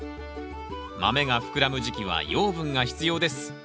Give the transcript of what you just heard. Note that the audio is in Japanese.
豆が膨らむ時期は養分が必要です。